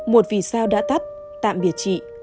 một vì sao đã tắt tạm biệt chị